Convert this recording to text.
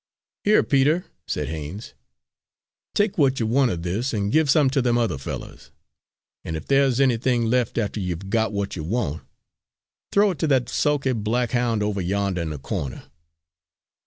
"Here, Peter," said Haines, "take what you want of this, and give some to them other fellows, and if there's anything left after you've got what you want, throw it to that sulky black hound over yonder in the corner."